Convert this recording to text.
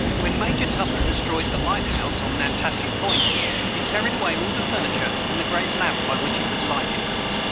[Footnote 172: When Major Tupper destroyed the lighthouse on Nantasket point, he carried away all the furniture and the great lamp by which it was lighted.